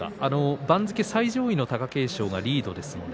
番付最上位の貴景勝がリードしています。